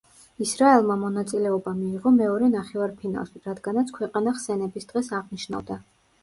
ისრაელმა მონაწილეობა მიიღო მეორე ნახევარფინალში, რადგანაც ქვეყანა ხსენების დღეს აღნიშნავდა.